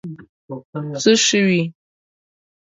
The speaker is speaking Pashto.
څه شوي.